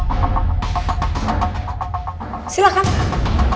kalaupun sampai kerja sama kita harus batal